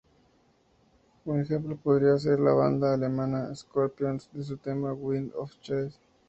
Un ejemplo podría ser la banda alemana Scorpions con su tema Wind of Change.